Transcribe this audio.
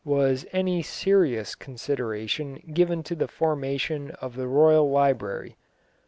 was any serious consideration given to the formation of the Royal Library.